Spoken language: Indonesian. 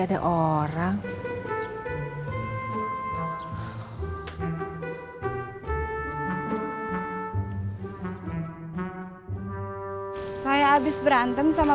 tak mau ke sana